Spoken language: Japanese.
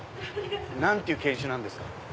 何ていう犬種なんですか？